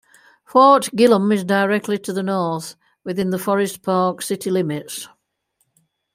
Fort Gillem is directly to the north, within the Forest Park city limits.